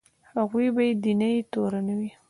هغوی په بې دینۍ تورنوي.